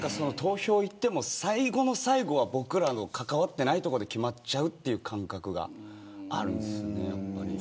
投票に行っても最後の最後は僕らの関わっていないところで決まっちゃうっていう感覚があるんですよね。